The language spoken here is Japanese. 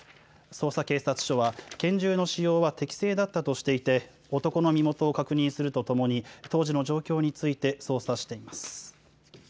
匝瑳警察署は、拳銃の使用は適正だったとしていて、男の身元を確認するとともに、当時の状況について捜査しています。